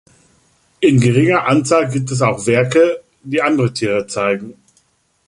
In geringer Anzahl gibt es auch Werke, die andere Tiere zeigen.